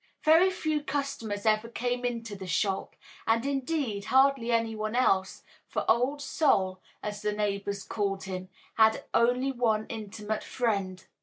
Very few customers ever came into the shop, and, indeed, hardly any one else, for Old Sol, as the neighbors called him, had only one intimate friend.